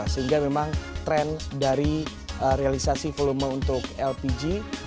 sehingga memang tren dari realisasi volume untuk lpg